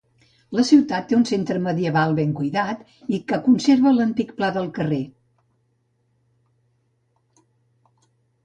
La ciutat té un centre medieval ben cuidat i que conserva l'antic pla de carrer.